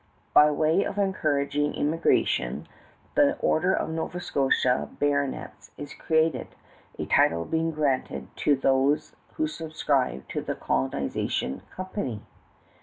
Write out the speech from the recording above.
By way of encouraging emigration, the order of Nova Scotia Baronets is created, a title being granted to those who subscribe to the colonization company.